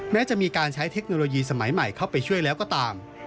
แม้จะมีการใช้เทคโนโลยีสมัยใหม่เข้าไปช่วยแล้วก็ตาม